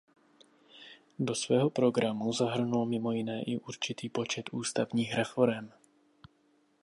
Do svého programu zahrnul mimo jiné i určitý počet ústavních reforem.